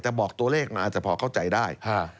แต่บอกตัวเลขก็จะความเชื่อไม่บี